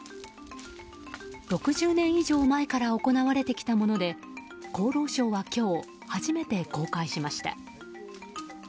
６０年以上前から行われてきたもので厚労省は今日初めて公開しました。